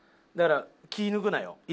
だから気ぃ抜くなよ。